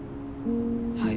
はい。